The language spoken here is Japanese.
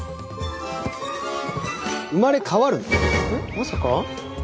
まさか？